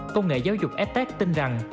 công nghệ giáo dục s tech tin rằng